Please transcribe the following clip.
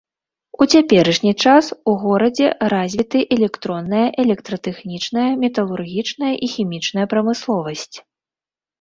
У цяперашні час у горадзе развіты электронная, электратэхнічная, металургічная і хімічная прамысловасць.